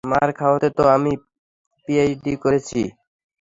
মার খাওয়াতে তো আমি পিএইচডি করেছি।